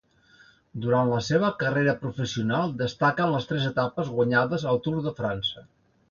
Durant la seva carrera professional destaquen les tres etapes guanyades al Tour de França.